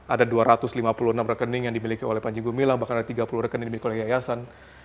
ada dua ratus lima puluh enam rekening yang dimiliki oleh panji gumilang bahkan ada tiga puluh rekening dimiliki oleh yayasan